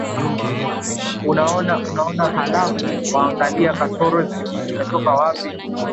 unaona halafu waangalie kasoro zimetoka wapi